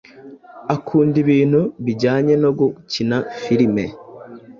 akunda ibintu bijyanye no gukina Filime,